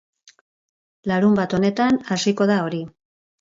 Larunbat honetan hasiko da hori.